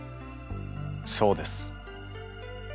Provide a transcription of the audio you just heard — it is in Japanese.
そうです。